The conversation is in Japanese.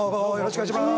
お願いします。